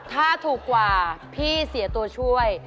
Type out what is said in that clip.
ถ้าถูกกว่าพี่เสียตัวช่วย